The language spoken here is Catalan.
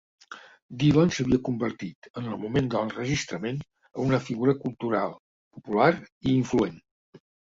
Dylan s'havia convertit, en el moment de l'enregistrament, en una figura cultural, popular i influent.